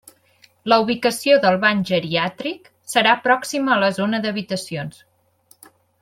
La ubicació del bany geriàtric serà pròxima a la zona d'habitacions.